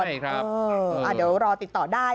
เดี๋ยวรอติดต่อได้